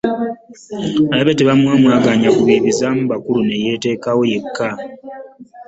Alabye tebamuwa mwagaanya gubiibizaamu bakulu ne yeetekawo yekka